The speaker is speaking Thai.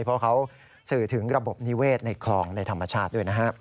เพราะเขาสื่อถึงระบบนิเวศในคลองในธรรมชาติด้วยนะครับ